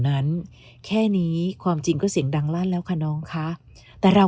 นั้นแค่นี้ความจริงก็เสียงดังลั่นแล้วค่ะน้องคะแต่เรา